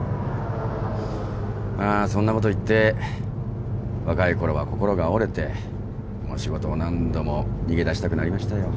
まあそんなこと言って若いころは心が折れてもう仕事を何度も逃げ出したくなりましたよ。